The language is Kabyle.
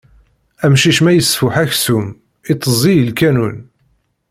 Amcic ma isfuḥ aksum, itezzi i lkanun.